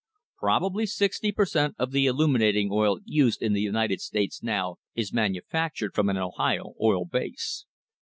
Probably sixty per cent, of the illuminating oil used in the United States now is manufactured from an Ohio oil base.